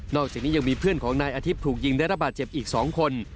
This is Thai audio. อกจากนี้ยังมีเพื่อนของนายอาทิตย์ถูกยิงได้รับบาดเจ็บอีก๒คน